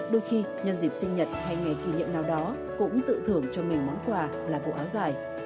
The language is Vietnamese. đôi khi nhân dịp sinh nhật hay ngày kỷ niệm nào đó cũng tự thưởng cho mình món quà là bộ áo dài